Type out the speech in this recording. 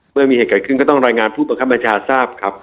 เมื่อมีเหตุเกิดขึ้นก็ต้องรายงานผู้บังคับบัญชาทราบครับ